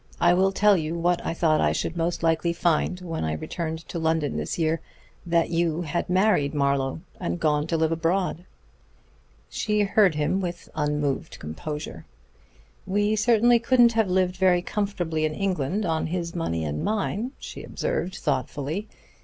I will tell you what I thought I should most likely find when I returned to London this year: that you had married Marlowe and gone to live abroad." She heard him with unmoved composure. "We certainly couldn't have lived very comfortably in England on his money and mine," she observed thoughtfully.